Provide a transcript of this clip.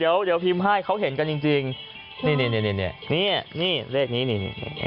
เดี๋ยวพิมพ์ให้เขาเห็นกันจริงนี่นี่เลขนี้นี่